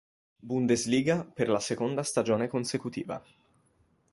Bundesliga per la seconda stagione consecutiva.